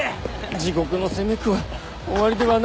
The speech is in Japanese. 地獄の責め苦は終わりではないのですね。